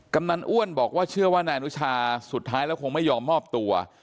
กำนันอ้วนบอกว่าเชื่อว่านายอนุชาสุดท้ายแล้วคงไม่ยอมมอบตัว